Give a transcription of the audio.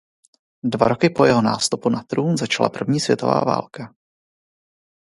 Dva roky po jeho nástupu na trůn začala první světová válka.